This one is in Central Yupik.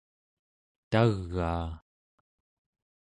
tagaa